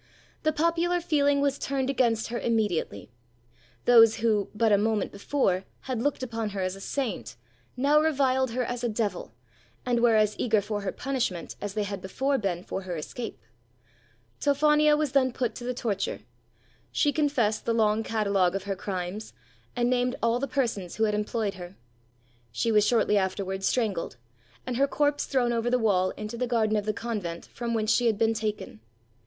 The popular feeling was turned against her immediately. Those who, but a moment before, had looked upon her as a saint, now reviled her as a devil, and were as eager for her punishment as they had before been for her escape. Tophania was then put to the torture. She confessed the long catalogue of her crimes, and named all the persons who had employed her. She was shortly afterwards strangled, and her corpse thrown over the wall into the garden of the convent from whence she had been taken.